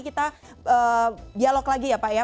kita dialog lagi ya pak ya